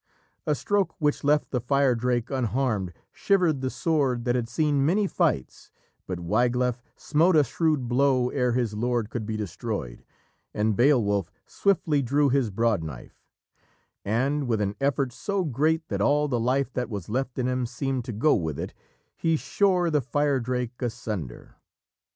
A stroke which left the Firedrake unharmed shivered the sword that had seen many fights, but Wiglaf smote a shrewd blow ere his lord could be destroyed, and Beowulf swiftly drew his broad knife and, with an effort so great that all the life that was left in him seemed to go with it, he shore the Firedrake asunder.